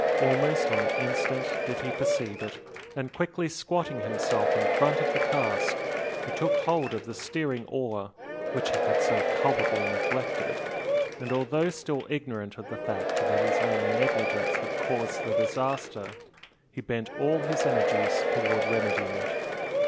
Almost on the instant did he perceive it; and quickly squatting himself in front of the cask, he took hold of the steering oar, which he had so culpably neglected, and, although still ignorant of the fact that his own negligence had caused the disaster, he bent all his energies towards remedying it.